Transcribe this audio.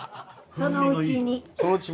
そのうちに。